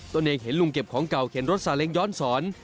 ตัวเองเห็นลุงเก็บของเก่าเข็นรถสาเล้งย้อนสอน